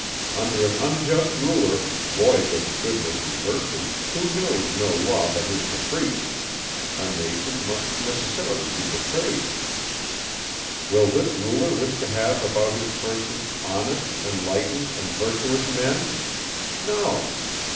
Under an unjust ruler, void of goodness and virtue, who knows no law but his caprice, a nation must necessarily be depraved. Will this ruler wish to have, about his person, honest, enlightened, and virtuous men? No.